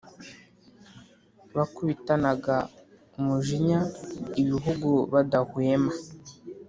bakubitanaga umujinya ibihugu badahwema,